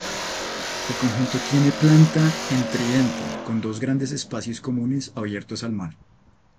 El conjunto tiene planta en tridente, con dos grandes espacios comunes abiertos al mar.